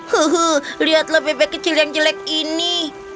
huhu lihatlah bebek kecil yang jelek ini